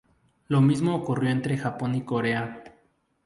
Lo mismo ocurrió entre Japón y Corea.